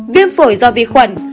viêm phổi do vi khuẩn